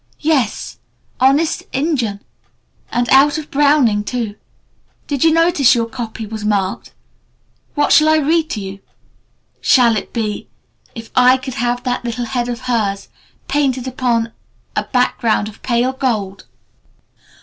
Yes! Honest Injun! And out of Browning, too. Did you notice your copy was marked? What shall I read to you? Shall it be "'If I could have that little head of hers Painted upon a background of pale gold.'